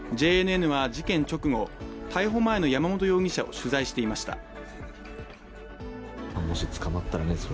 ＪＮＮは事件直後逮捕前の山本容疑者を取材していました。